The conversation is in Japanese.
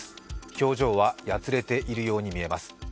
表情はやつれているように見えます。